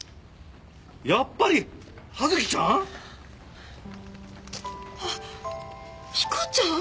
やっぱり葉月ちゃん？あっ彦ちゃん？